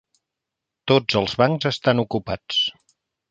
Tots els bancs estan ocupats.